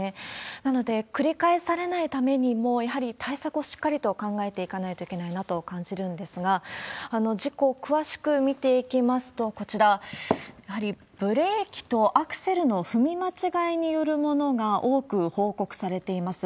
なので、繰り返されないためにも、やはり対策をしっかりと考えていかないといけないなと感じるんですが、事故を詳しく見ていきますと、こちら、やはりブレーキとアクセルの踏み間違いによるものが多く報告されています。